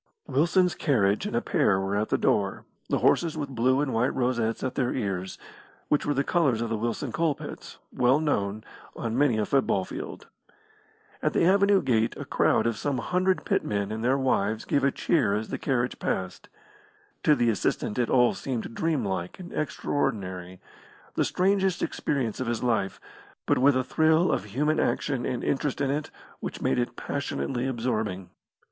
Wilson's carriage and pair were at the door, the horses with blue and white rosettes at their ears, which were the colours of the Wilson Coal pits, well known, on many a football field. At the avenue gate a crowd of some hundred pit men and their wives gave a cheer as the carriage passed. To the assistant it all seemed dream like and extraordinary the strangest experience of his life, but with a thrill of human action and interest in it which made it passionately absorbing.